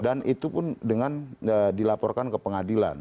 dan itu pun dengan dilaporkan ke pengadilan